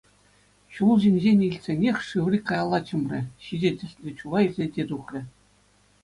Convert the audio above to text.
Чул ҫинчен илтсенех Шыври каялла чӑмрӗ — ҫичӗ тӗслӗ чула илсе те тухрӗ.